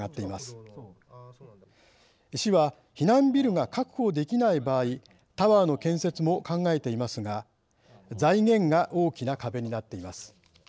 市は避難ビルが確保できない場合タワーの建設も考えていますが財源が大きな壁になっています。